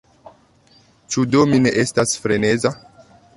Ĉu do mi ne estas freneza?